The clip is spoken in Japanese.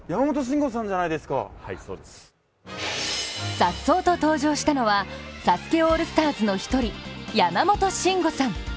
さっそうと登場したのは「ＳＡＳＵＫＥ」オールスターズの１人、山本進悟さん。